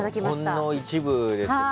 ほんの一部でしょうけど。